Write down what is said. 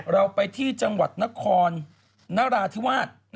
เราไปที่จังหวัดนครนราธิวาส